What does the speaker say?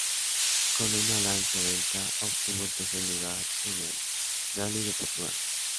Con un Lancia Delta, obtuvo el tercer lugar en el rally de Portugal.